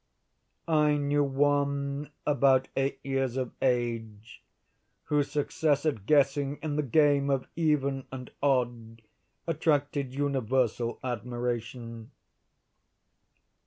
I knew one about eight years of age, whose success at guessing in the game of 'even and odd' attracted universal admiration.